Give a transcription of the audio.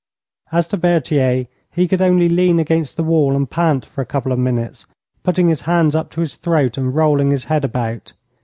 As to Berthier, he could only lean against the wall, and pant for a couple of minutes, putting his hands up to his throat and rolling his head about.